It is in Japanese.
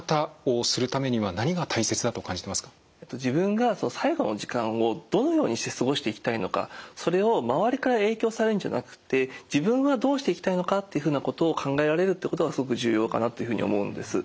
自分が最期の時間をどのようにして過ごしていきたいのかそれを周りから影響されるんじゃなくて自分はどうしていきたいのかっていうふうなことを考えられるってことがすごく重要かなっていうふうに思うんです。